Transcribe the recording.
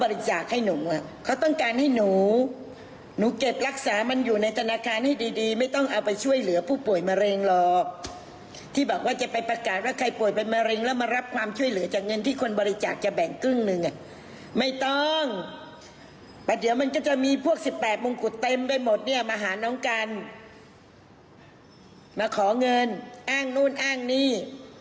แล้วเดี๋ยวมันก็จะมีพวก๑๘มงกุเต็มไปหมดมาหาน้องกันมาขอเงินอ้างนู่นอ้างนี้